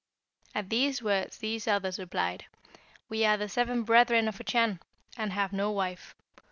At these words these others replied, 'We are the seven brethren of a Chan, and have no wife.